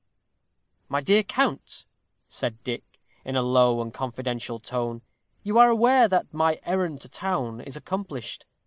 "My dear count," said Dick, in a low and confidential tone, "you are aware that my errand to town is accomplished.